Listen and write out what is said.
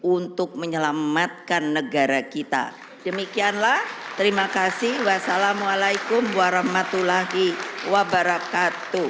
untuk menyelamatkan negara kita demikianlah terima kasih wassalamualaikum warahmatullahi wabarakatuh